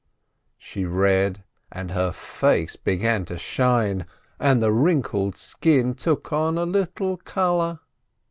She read, and her face began to shine, and the wrinkled skin took on a little color.